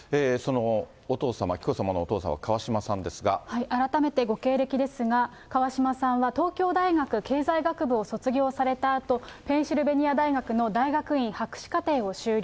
お父様、紀子さまのお父様、改めてご経歴ですが、川嶋さんは東京大学経済学部を卒業されたあと、ペンシルベニア大学の大学院博士課程を修了。